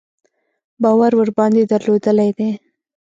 باور ورباندې درلودلی دی.